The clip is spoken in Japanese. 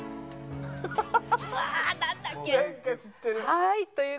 はい。